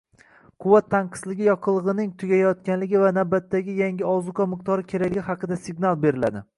Quvvat tanqisligi yoqilg‘ining tugayotganligi va navbatdagi yangi ozuqa miqdori kerakligi haqida signal beriladi.